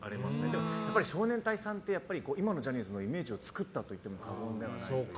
でもやっぱり少年隊さんって今のジャニーズのイメージを作ったと言っても過言ではない。